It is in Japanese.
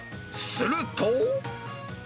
すると。